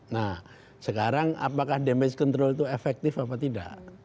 nah sekarang apakah damage control itu efektif apa tidak